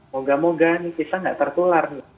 moga moga ini bisa tidak tertular